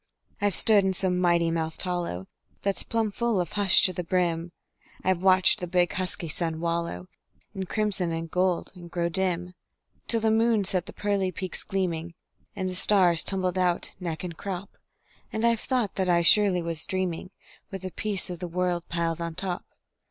I've stood in some mighty mouthed hollow That's plumb full of hush to the brim; I've watched the big, husky sun wallow In crimson and gold, and grow dim, Till the moon set the pearly peaks gleaming, And the stars tumbled out, neck and crop; And I've thought that I surely was dreaming, With the peace o' the world piled on top.